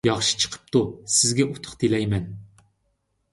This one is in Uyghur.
ياخشى چىقىپتۇ، سىزگە ئۇتۇق تىلەيمەن.